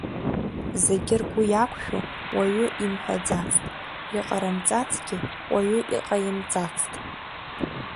Зегь ргәы иақәшәо уаҩы имҳәаӡацт, иҟарымҵацгьы уаҩы иҟаимҵацт.